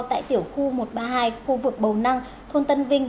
tại tiểu khu một trăm ba mươi hai khu vực bầu năng thôn tân vinh